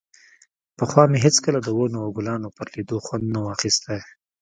پخوا مې هېڅکله د ونو او ګلانو پر ليدو خوند نه و اخيستى.